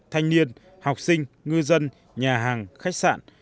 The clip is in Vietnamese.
thanh niên học sinh ngư dân nhà hàng khách sạn